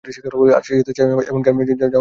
আর সেইসাথে চাই এমন জ্ঞান যা কখনও ভুলে যাবোনা।